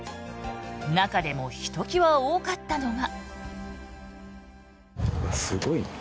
中でもひときわ多かったのが。